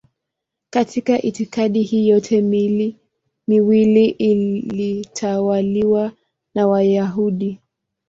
Katika itikadi hii yote miwili ilitawaliwa na Wayahudi.